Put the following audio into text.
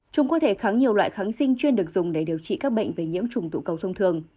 chúng có thể kháng nhiều loại kháng sinh chuyên được dùng để điều trị các bệnh về nhiễm trùng tụ cầu thông thường